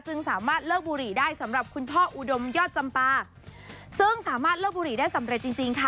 สามารถเลิกบุหรี่ได้สำหรับคุณพ่ออุดมยอดจำปาซึ่งสามารถเลิกบุหรี่ได้สำเร็จจริงจริงค่ะ